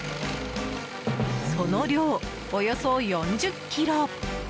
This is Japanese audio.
その量およそ４０ｋｇ。